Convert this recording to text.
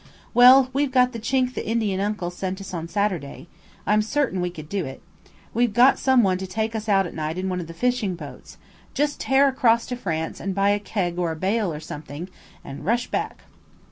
"Well, we've got the chink the Indian uncle sent us on Saturday. I'm certain we could do it. We'd get some one to take us out at night in one of the fishing boats–just tear across to France and buy a keg or a bale or something, and rush back."